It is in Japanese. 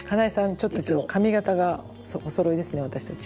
ちょっと今日髪形がおそろいですね私たち。